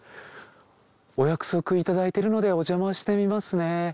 お約束いただいてるのでおじゃましてみますね。